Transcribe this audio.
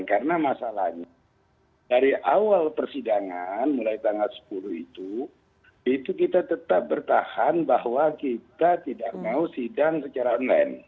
karena masalahnya dari awal persidangan mulai tanggal sepuluh itu itu kita tetap bertahan bahwa kita tidak mau sidang secara online